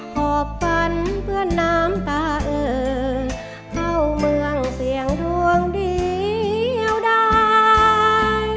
หอบฝันเพื่อนน้ำตาเอิญเข้าเมืองเสียงดวงเดียวได้